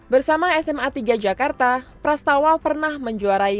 bersama sma tiga jakarta pras tawal pernah menjuarai